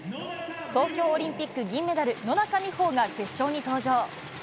東京オリンピック銀メダル、野中生萌が決勝に登場。